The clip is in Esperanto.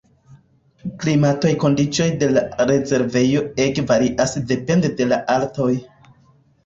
Klimataj kondiĉoj de la rezervejo ege varias depende de la altoj.